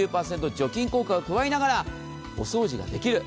除菌効果も加えながらお掃除ができる。